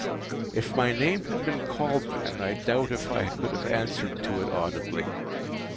If my name had been called then, I doubt if I could have answered to it audibly.